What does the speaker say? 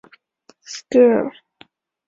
贼自是闭门不复出。